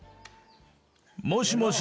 もしもし。